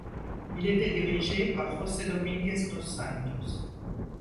Il était dirigé par José Domingues dos Santos.